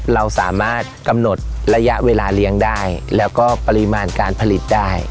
เราสามารถกำหนดระยะเวลาเลี้ยงได้แล้วก็ปริมาณการผลิตได้